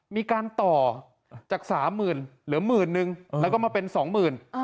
มีการต่อจากสามหมื่นเหลือหมื่นนึงแล้วก็มาเป็นสองหมื่น